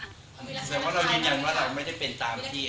คุณยืนยังว่าเราไม่ได้เป็นตามที่